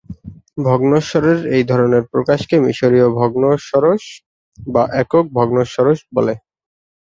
ভগ্নম্বরশের এই ধরনের প্রকাশকে মিশরীয় ভগ্নম্বরশ বা একক ভগ্নম্বরশ বলে।